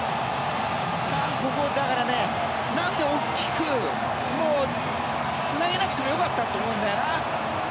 ここ、なんで大きくつなげなくてもよかったと思うんだよな。